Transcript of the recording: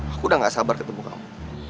aku udah gak sabar ketemu kamu